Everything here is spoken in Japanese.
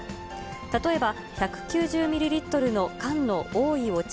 例えば１９０ミリリットルの缶のおいお茶